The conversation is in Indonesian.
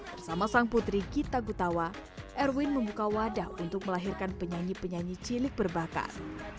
bersama sang putri gita gutawa erwin membuka wadah untuk melahirkan penyanyi penyanyi cilik berbakat